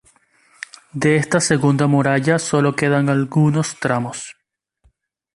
De esta segunda muralla solo quedan algunos tramos.